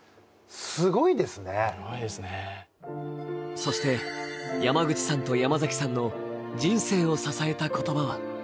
そして山口さんと山崎さんの人生を支えた言葉は？